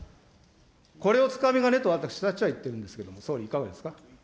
これをつかみ金と、私たちは言っているんですけれども、総理いかがですか。